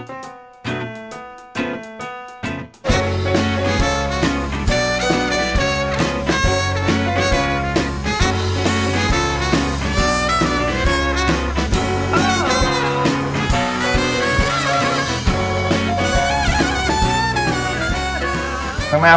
สปาเกตตี้ปลาทู